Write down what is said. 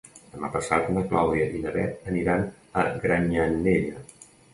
Demà passat na Clàudia i na Bet aniran a Granyanella.